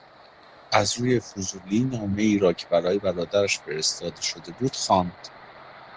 از روی فضولی نامهای را که برای برادرش فرستاده شده بود خواند.